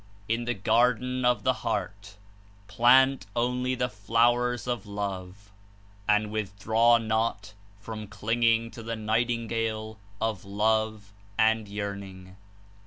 In the garden of the heart plant only flowers of Love, and withdraw not from clinging to the nightingale of love and yearning.''